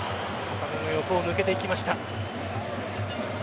浅野の横を抜けていきました。